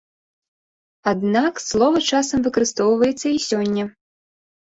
Аднак слова часам выкарыстоўваецца і сёння.